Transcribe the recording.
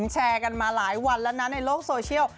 แชร์กันมาหลายวันแล้วนะในโลกโซเชียล